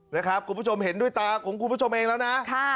นะครับคุณผู้ชมเห็นด้วยตาของคุณผู้ชมเองแล้วนะ